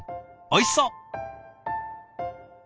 おいしそう！